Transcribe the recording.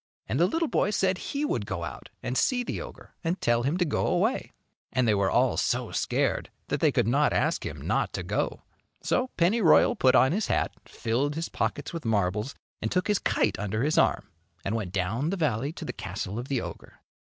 And the little boy said he would go out and see the ogre and tell him to go away. And they were all 175 M Y BOOK HOUSE SO scared that they could not ask him not to go. So Pennyroya! put on his hat, filled his pockets with marbles and took his kite under his arm, and went down the valley to the castle of the ogre.